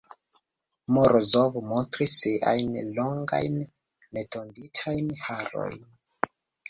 Morozov montris siajn longajn netonditajn harojn.